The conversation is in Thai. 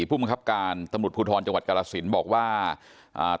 ผู้บังคับการตำรวจภูทรจังหวัดกาลสินบอกว่าอ่า